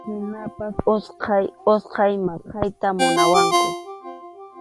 Hinaspas utqay utqay maqayta munawaqku.